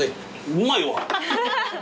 うまいわ！